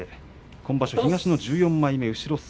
今場所は東の１４枚目。